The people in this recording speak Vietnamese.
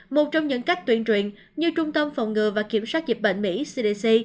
một trong những cách tuyên truyền như trung tâm phòng ngừa và kiểm soát dịch bệnh mỹ cdc